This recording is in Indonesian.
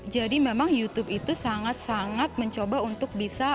jadi memang youtube itu sangat sangat mencoba untuk bisa